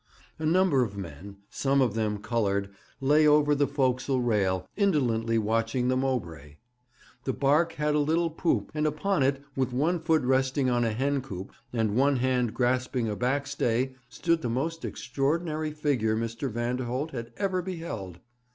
A number of men, some of them coloured, lay over the forecastle rail, indolently watching the Mowbray. The barque had a little poop, and upon it, with one foot resting on a hen coop and one hand grasping a backstay, stood the most extraordinary figure Mr. Vanderholt had ever beheld.